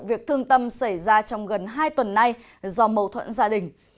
việc thương tâm xảy ra trong gần hai tuần nay do mâu thuẫn gia đình